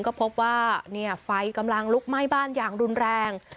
ก็พบว่าไฟกำลังลุกไหม้บ้านอย่างรุนแรง